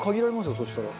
よそしたら。